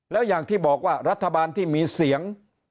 แล้วอย่างที่บอกว่ารัฐบาลที่มีเสียง